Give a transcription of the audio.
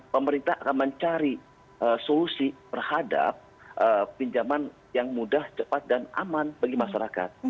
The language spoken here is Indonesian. pemerintah akan mencari solusi terhadap pinjaman yang mudah cepat dan aman bagi masyarakat